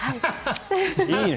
いいね。